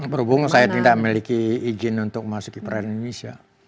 berhubung saya tidak memiliki izin untuk masuk ke perancis